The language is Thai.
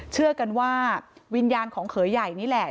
เชื่อกันว่าวิญญาณของเขยใหญ่นี่แหละ